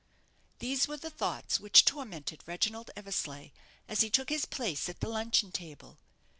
These were the thoughts which tormented Reginald Eversleigh as he took his place at the luncheon table.